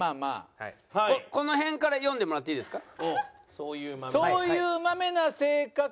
この辺から読んでもらっていいですか？